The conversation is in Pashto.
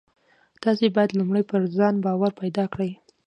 تاسې بايد لومړی پر ځان باور پيدا کړئ.